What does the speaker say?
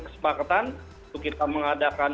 kesepakatan untuk kita mengadakan